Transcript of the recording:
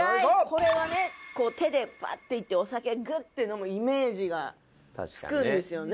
これはね手でバッていってお酒グッて飲むイメージがつくんですよね。